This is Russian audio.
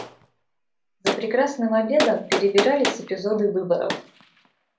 За прекрасным обедом перебирались эпизоды выборов.